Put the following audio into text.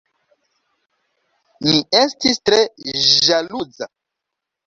Mi estis tre ĵaluza!